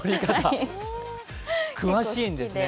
詳しいんですね。